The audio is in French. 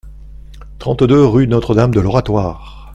trente-deux rue Notre-Dame de l'Oratoire